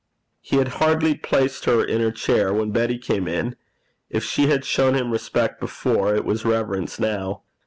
He had hardly placed her in her chair, when Betty came in. If she had shown him respect before, it was reverence now.